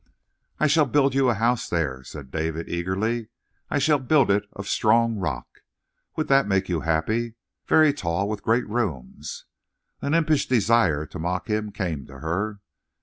"I shall build you a house there," said David eagerly. "I shall build it of strong rock. Would that make you happy? Very tall, with great rooms." An impish desire to mock him came to her.